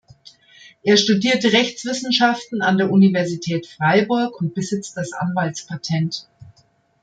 Er studierte Rechtswissenschaften an der Universität Freiburg und besitzt das Anwaltspatent.